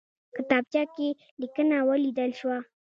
کتابچه کې لیکنه ولیدل شوه.